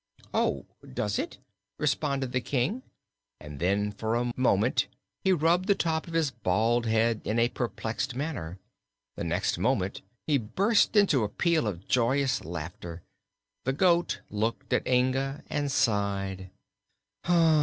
"Oh, does it?" responded the King, and then for a moment he rubbed the top of his bald head in a perplexed manner. The next moment he burst into a peal of joyous laughter. The goat looked at Inga and sighed.